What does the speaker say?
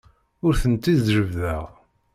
Ur tent-id-jebbdeɣ.